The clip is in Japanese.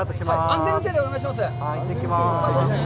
安全運転でお願いします。